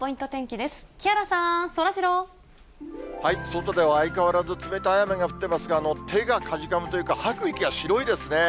外では相変わらず冷たい雨が降ってますが、手がかじかむというか、吐く息が白いですね。